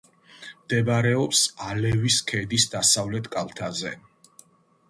მდებარეობს ალევის ქედის დასავლეთ კალთაზე.